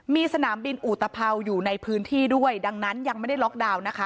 มีสนามบินอุตภัวร์อยู่ในพื้นที่ด้วยดังนั้นยังไม่ได้ล็อกดาวน์นะคะ